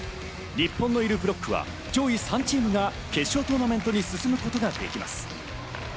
日本のいるブロックは上位３チームが決勝トーナメントに進むことができます。